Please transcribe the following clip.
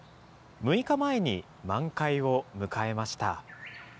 ６日前に満開を迎えました。